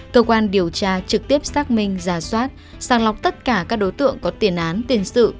cơ quan điều tra trực tiếp xác minh giả soát sàng lọc tất cả các đối tượng có tiền án tiền sự